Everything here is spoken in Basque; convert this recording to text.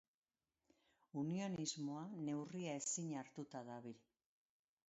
Unionismoa neurria ezin hartuta dabil.